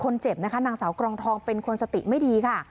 นางสาวกรองทองเป็นคนสติไม่ดีค่ะ